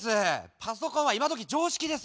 パソコンは今どき常識です。